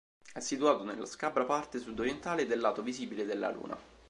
È situato nella scabra parte sudorientale del lato visibile della Luna.